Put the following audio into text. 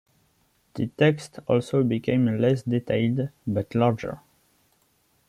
The text also became less detailed but larger.